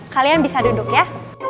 kalian bisa duduk ya